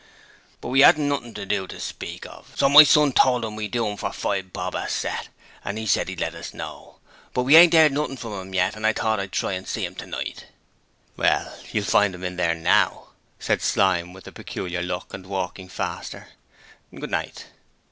'But we 'adn't nothing to do to speak of, so my son told 'im we'd do 'em for five bob a set, and 'e said 'e'd let us know, but we ain't 'eard nothing from 'im yet, so I thought I'd try and see 'im tonight.' Well, you'll find 'im in there now,' said Slyme with a peculiar look, and walking faster. 'Good night.'